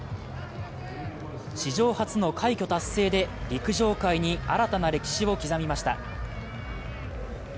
史上初の快挙達成で陸上界に新たな歴史を刻みました。